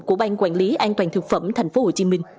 của ban quản lý an toàn thực phẩm thành phố hồ chí minh